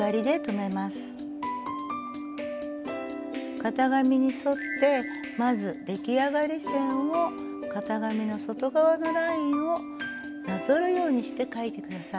型紙に沿ってまず出来上がり線を型紙の外側のラインをなぞるようにして書いて下さい。